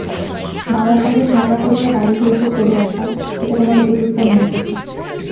বাবার সঙ্গে ঝগড়া করিয়া বাড়ি হইতে চলিয়া আসা, এটা তোমার উপযুক্ত নয়।